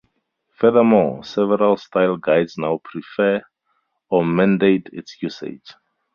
Furthermore, several style guides now prefer or mandate its usage.